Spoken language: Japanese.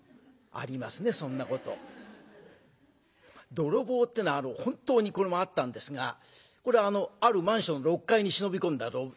泥棒ってのは本当にこれもあったんですがこれあのあるマンションの６階に忍び込んだ泥棒。